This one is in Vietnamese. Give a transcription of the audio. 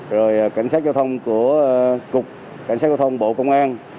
rồi cảnh sát giao thông của cục cảnh sát giao thông bộ công an